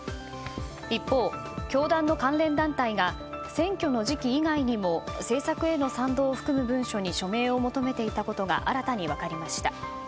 一方、教団の関連団体が選挙の時期以外にも政策への賛同を含む文書に署名を求めていたことが新たに分かりました。